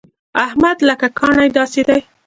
احمد لکه کاڼی داسې دی.